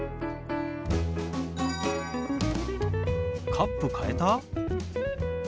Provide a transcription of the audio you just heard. カップ変えた？